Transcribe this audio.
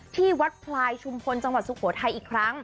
ที่วัดพลายชุมพลจังหวัดสุโขทัยอีกครั้ง